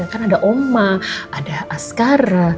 kan ada oma ada askara